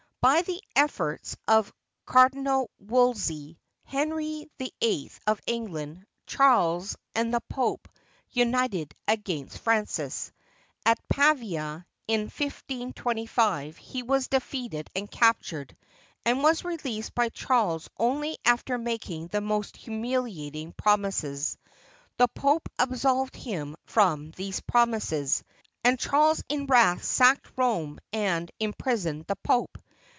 By the efforts of Cardi nal Wolsey, Henry VIII of England, Charles, and the Pope united against Francis. At Pavia, in 1525, he was defeated and captured, and was released by Charles only after making the most humiliating promises. The Pope absolved him from these promises, and Charles in wrath sacked Rome and im prisoned the Pope.